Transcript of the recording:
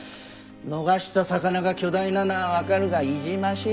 逃した魚が巨大なのはわかるがいじましい。